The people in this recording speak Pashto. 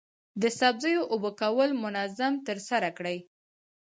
د سبزیو اوبه کول منظم ترسره کړئ.